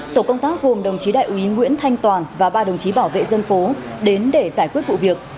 tổ công tác gồm đồng chí đại úy nguyễn thanh toàn và ba đồng chí bảo vệ dân phố đến để giải quyết vụ việc